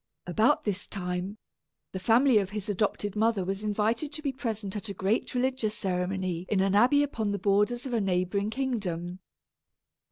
About this time, the family of his adopted mother was invited to be present at a great religious ceremony in an abbey upon the borders of a neighboring kingdom.